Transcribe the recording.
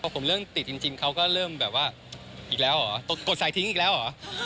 ผมเริ่มติดจริงเขาก็เริ่มแบบว่าอีกแล้วเหรอกดสายทิ้งอีกแล้วเหรอ